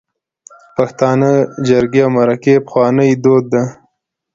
پښتانه جرګی او مرکی پخواني دود ده